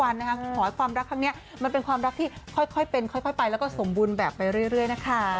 ขอให้ความรักครั้งนี้มันเป็นความรักที่ค่อยเป็นค่อยไปแล้วก็สมบูรณ์แบบไปเรื่อยนะคะ